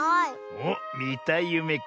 おっみたいゆめか。